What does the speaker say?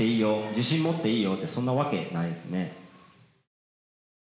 「自信持っていいよ」ってそんなわけないんですね。